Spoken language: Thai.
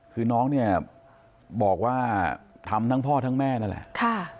คือน้องเนี่ยบอกว่าทำทั้งพ่อทั้งแม่นั่นแหละ